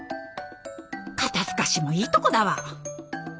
肩透かしもいいとこだわ！